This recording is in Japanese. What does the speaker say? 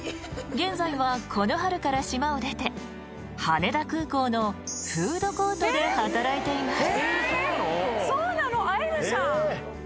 現在はこの春から島を出て羽田空港のフードコートで働いています